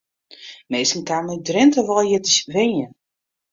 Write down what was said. Minsken kamen út Drinte wei hjir te wenjen.